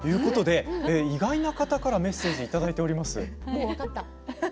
意外な方からメッセージをいただいています。